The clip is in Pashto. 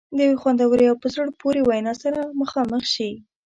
د یوې خوندورې او په زړه پورې وینا سره مخامخ شي.